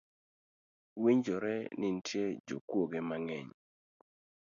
Winjore ni nitiere jokuoge mang’eny